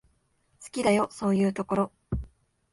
好きだよ、そういうところ。